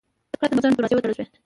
پرته له کوم ځنډه دروازې وتړل شوې.